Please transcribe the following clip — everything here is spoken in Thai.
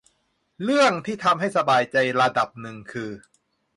เรื่องที่ทำให้สบายใจระดับหนึ่งคือ